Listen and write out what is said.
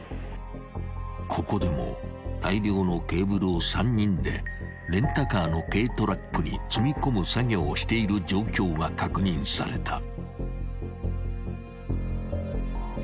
［ここでも大量のケーブルを３人でレンタカーの軽トラックに積み込む作業をしている状況が確認された］